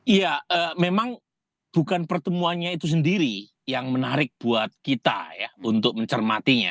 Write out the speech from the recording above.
iya memang bukan pertemuannya itu sendiri yang menarik buat kita ya untuk mencermatinya